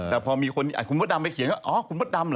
แต่พอมีคนอ่ะคุณพระดำไปเขียนเขาก็อ๋อคุณพระดำเหรอ